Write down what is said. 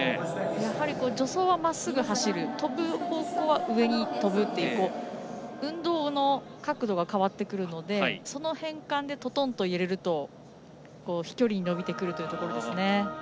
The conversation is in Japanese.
やはり助走はまっすぐ走る跳ぶ方向は上に跳ぶという運動の角度が変わってくるのでその変換で、ととんと揺れると飛距離、伸びてくるところですね。